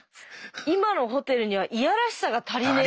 「今のホテルにはいやらしさが足りねえ」